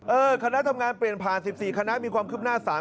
คณะทำงานเปลี่ยนผ่าน๑๔คณะมีความคืบหน้าสาร